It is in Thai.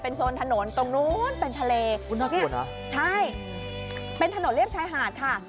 เป็นโซนถนนตรงนู้นเป็นทะเลคุณถ้าเกิดนะใช่เป็นถนนเรียบชายหาดค่ะ